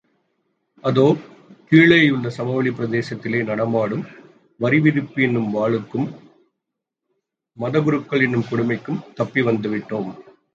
அதோ கீழேயுள்ள சமவெளிப் பிரதேசத்திலே நடமாடும், வரி விதிப்பு என்னும் வாளுக்கும், மதகுருக்கள் என்னும் கொடுமைக்கும் தப்பி வந்துவிட்டோம்.